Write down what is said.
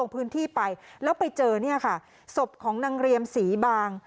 พื้นที่ไปแล้วไปเจอเนี่ยค่ะศพของนางเรียมศรีบาง